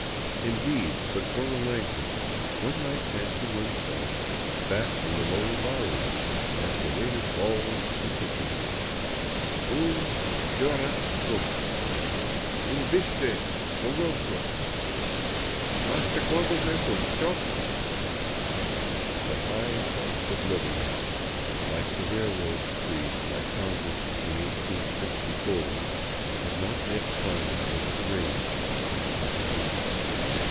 Indeed, but for the language, one might fancy oneself back on the lower Bowery as the waiter bawls to the kitchen :" Un churrasco !"" Un biste f ogoso !"" Hasta cuando esos choclos ?" The high cost of living, like the railroad decreed by congress in 1864, had not yet climbed over the range into Cajamarca.